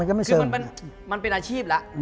คือมันเป็นอาชีพแล้ว